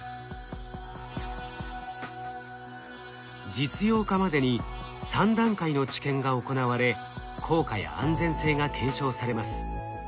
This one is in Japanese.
実用化までに３段階の治験が行われ効果や安全性が検証されます。